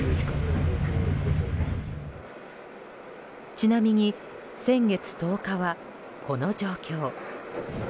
ちなみに先月１０日はこの状況。